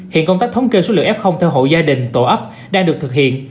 hiện công tác thống kê số lượng f theo hộ gia đình tổ ấp đang được thực hiện